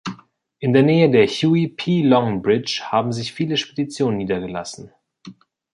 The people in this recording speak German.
In der Nähe der Huey P. Long Bridge haben sich viele Speditionen niedergelassen.